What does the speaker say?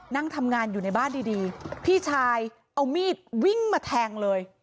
นั่งทำงานอยู่ในบ้านดีพี่ชายเอามีดวิ่งมาแทงเลย